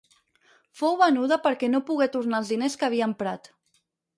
Fou venuda perquè no pogué tornar els diners que havia emprat.